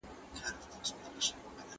ځانته چې ستا په سترګو ګورمه نیمګړی ښکارم